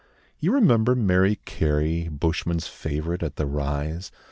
You remember Mary Carey, Bushmen's favourite at the Rise?